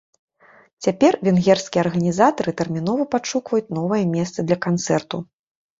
Цяпер венгерскія арганізатары тэрмінова падшукваюць новае месца для канцэрту.